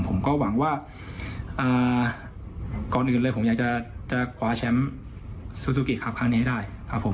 ผมก็หวังว่าก่อนอื่นเลยผมอยากจะคว้าแชมป์ซูซูกิครับครั้งนี้ให้ได้ครับผม